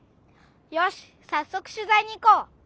よしさっそく取ざいに行こう！